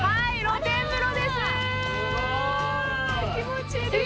気持ちいいですね。